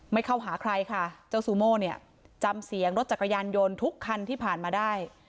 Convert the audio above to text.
ไม่เข้าหาใครค่ะเจ้าซูโม่เนี่ยจำเสียงรถจักรยานยนต์ทุกคันที่ผ่านมาได้